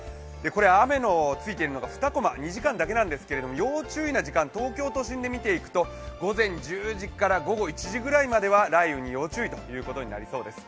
雨のついているのが２コマ、２時間だけなんですけど要注意な時間、東京都心で見ていきますと午前１０時ぐらいから、午後１時くらいまでは雷雨に要注意ということになりそうです。